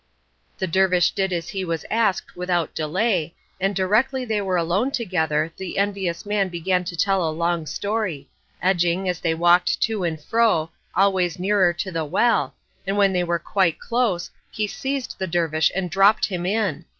The dervish did as he was asked without delay, and directly they were alone together the envious man began to tell a long story, edging, as they walked to and fro, always nearer to the well, and when they were quite close, he seized the dervish and dropped him in.